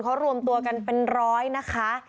เขารวมตัวกันเป็นร้อยนะคะ